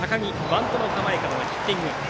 バントの構えからのヒッティング。